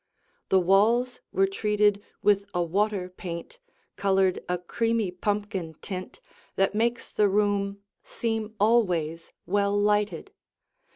The walls were treated with a water paint colored a creamy pumpkin tint that makes the room seem always well lighted.